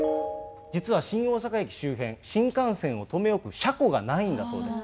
実は新大阪駅周辺、新幹線を留め置く車庫がないんだそうです。